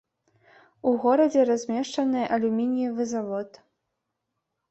У горадзе размешчаны алюмініевы завод.